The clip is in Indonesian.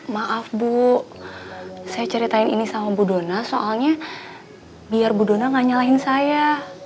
maaf bu saya ceritain ini sama bu dona soalnya biar bu dona gak nyalahin saya